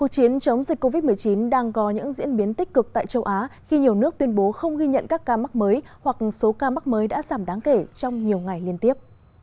chiến chống dịch covid một mươi chín đang có những diễn biến tích cực tại châu á khi nhiều nước tuyên bố không ghi nhận các ca mắc mới hoặc số ca mắc mới đã giảm đáng kể trong nhiều ngày liên tiếp